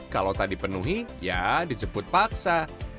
kalau tak dipenuhi ya dijemput paksa